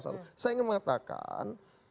saya ingin mengatakan